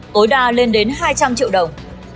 tối đa lên đến hai trăm linh triệu đồng